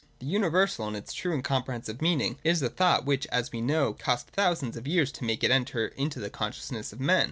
The universal in its true and comprehensive meaning is a thought which, as we know, cost thousands of years to make it enter into the consciousness of men.